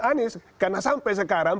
anies karena sampai sekarang